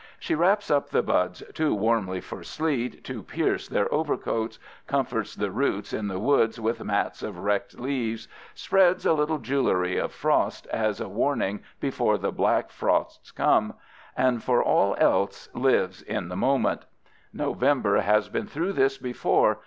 She wraps up the buds too warmly for sleet to pierce their overcoats, comforts the roots in the woods with mats of wrecked leaves, spreads a little jewelry of frost as a warning before the black frosts come, and for all else lives in the moment. November has been through this before.